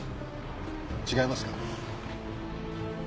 違います！